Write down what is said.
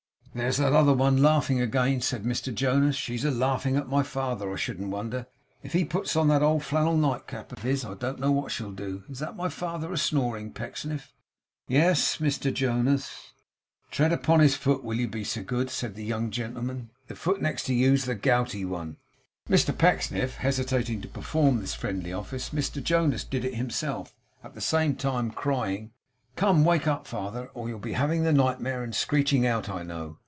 'There's that other one a laughing again,' said Mr Jonas; 'she's a laughing at my father, I shouldn't wonder. If he puts on that old flannel nightcap of his, I don't know what she'll do! Is that my father a snoring, Pecksniff?' 'Yes, Mr Jonas.' 'Tread upon his foot, will you be so good?' said the young gentleman. 'The foot next you's the gouty one.' Mr Pecksniff hesitating to perform this friendly office, Mr Jonas did it himself; at the same time crying: 'Come, wake up, father, or you'll be having the nightmare, and screeching out, I know.